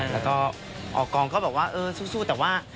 แล้วก็ออกองก็บอกว่าเออสู้แต่ว่า